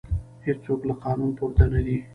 هیڅوک له قانون پورته نه دی